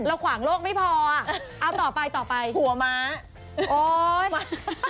เราขวางโลกไม่พอเธอทำไปต่อไปเจ้าตัวถัวมา